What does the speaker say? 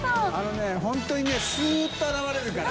本当にねスッと現れるから。